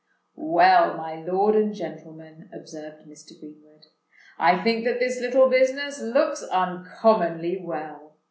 "Well, my lord and gentlemen," observed Mr. Greenwood, "I think that this little business looks uncommonly well.